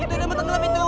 itu udah mau tenggelam itu